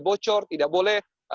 bocor tidak boleh